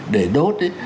để đốt ấy